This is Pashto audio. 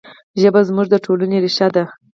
ژبه زموږ د ټولنې ریښه ده.